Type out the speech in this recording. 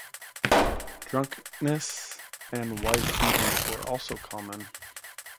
Drunkenness and wife beatings were also common.